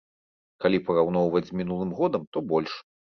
Калі параўноўваць з мінулым годам, то больш.